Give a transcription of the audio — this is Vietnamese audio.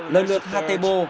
lần lượt hatepo